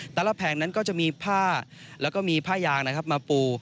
แผงนั้นก็จะมีผ้าแล้วก็มีผ้ายางนะครับมาปู